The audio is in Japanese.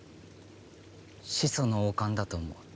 始祖の王冠だと思う。